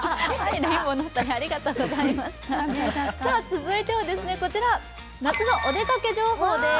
続いてはこちら、夏のお出かけ情報です。